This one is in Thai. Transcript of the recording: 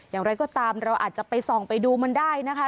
อย่างไรก็ตามเราอาจจะไปส่องไปดูมันได้นะคะ